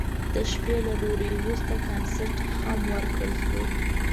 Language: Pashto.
د شپې له ډوډۍ وروسته کنسرت هم ورکړل شو.